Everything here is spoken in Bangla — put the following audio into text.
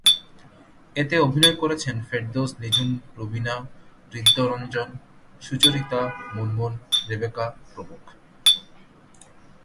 এতে অভিনয় করেছেন ফেরদৌস, নিঝুম রুবিনা, হৃদ্য রঙ্গন, সুচরিতা, মুনমুন, রেবেকা প্রমুখ।